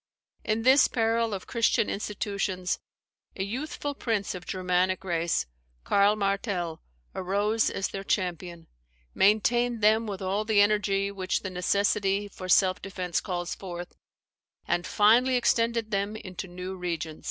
In this peril of Christian institutions, a youthful prince of Germanic race, Karl Martell, arose as their champion; maintained them with all the energy which the necessity for self defence calls forth, and finally extended them into new regions."